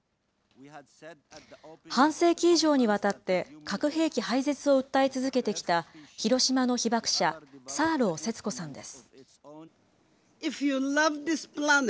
半世紀以上にわたって核兵器廃絶を訴え続けてきた、広島の被爆者、サーロー節子さんです。